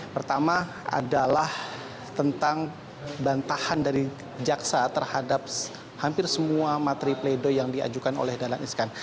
pertama adalah tentang bantahan dari jaksa terhadap hampir semua materi pledoi yang diajukan oleh dahlan iskan